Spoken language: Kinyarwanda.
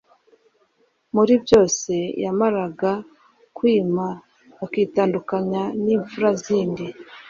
muri byose yamaraga kwima akitandukanya n imfura zindi